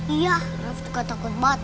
iya raff juga takut banget